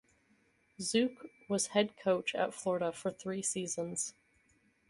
Zook was head coach at Florida for three seasons.